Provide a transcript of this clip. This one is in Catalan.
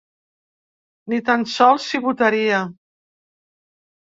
Ni tan sols si votaria.